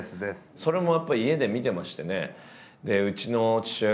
それもやっぱり家で見てましてね。